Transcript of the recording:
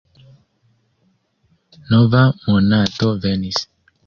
Nova monato venis.